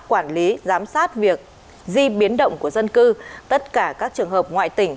quản lý giám sát việc di biến động của dân cư tất cả các trường hợp ngoại tỉnh